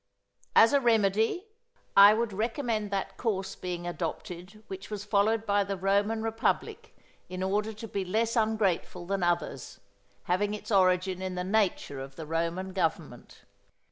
As a remedy, I would recommend that course being adopted which was followed by the Roman republic in order to be less ungrateful than others, having its origin in the nature of the Roman government.